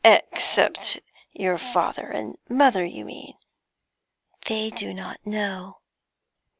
'Except your father and mother, you mean?' 'They do not know.'